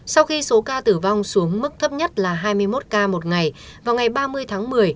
sau khi số ca tử vong xuống mức thấp nhất là hai mươi một ca một ngày vào ngày ba mươi tháng một mươi